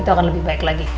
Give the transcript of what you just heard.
itu akan lebih baik lagi